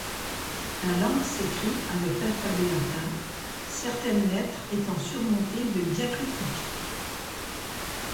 La langue s’écrit avec l’alphabet latin, certaines lettres étant surmontées de diacritiques.